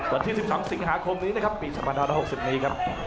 วันที่สิบสองสิบหาคมนี้นะครับปีสักพันธาตุหกสิบนี้ครับ